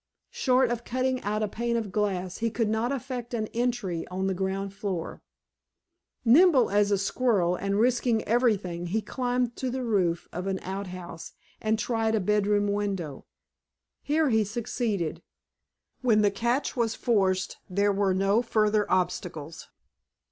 Short of cutting out a pane of glass, he could not effect an entry on the ground floor. Nimble as a squirrel, and risking everything, he climbed to the roof of an outhouse, and tried a bedroom window. Here he succeeded. When the catch was forced, there were no further obstacles.